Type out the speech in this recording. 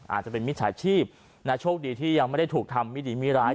อาจจะเป็นมิตรสาธิบณโชคดีที่ยังไม่ได้ถูกทำมิดีมิร้าย